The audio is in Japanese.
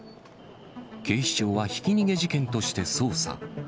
警視庁はひき逃げ事件として捜査。